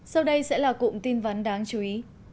sau đây sẽ là cụm tin vắn đáng chú ý